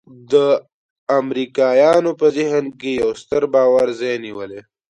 د امریکایانو په ذهن کې یو ستر باور ځای نیولی.